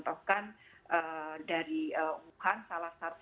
yang pertama adalah memiliki hak proteksi warga negara indonesia